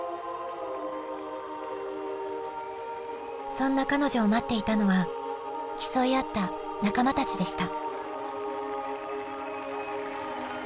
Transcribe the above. そんな彼女を待っていたのは競い合った仲間たちでした。